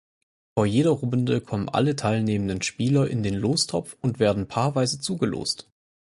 Vor jeder Runde kommen alle teilnehmenden Spieler in den Lostopf und werden paarweise zugelost.